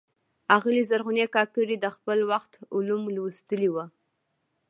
آغلي زرغونې کاکړي د خپل وخت علوم لوستلي ول.